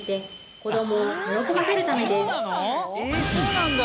そうなんだ。